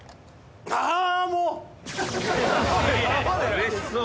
うれしそう。